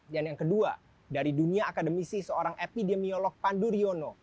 dan yang kedua dari dunia akademisi seorang epidemiolog panduryono